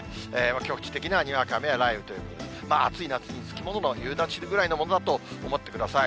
局地的なにわか雨や雷雨という、暑い夏につきものの夕立ぐらいのものだと思ってください。